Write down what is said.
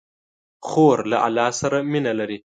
خور له الله سره مینه لري.